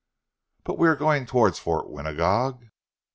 "But we are going towards Fort Winagog?"